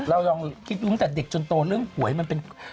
ลองคิดดูตั้งแต่เด็กจนโตเรื่องหวยมันเป็น